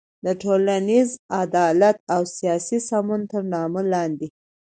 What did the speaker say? د ټولنیز عدالت او سیاسي سمون تر نامه لاندې